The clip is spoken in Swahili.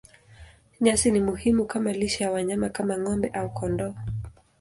Nyasi ni muhimu kama lishe ya wanyama kama ng'ombe au kondoo.